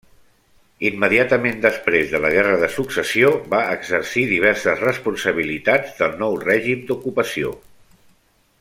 Immediatament després de la Guerra de Successió va exercir diverses responsabilitats del nou règim d'ocupació.